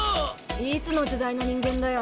いつの時代の人間だよ。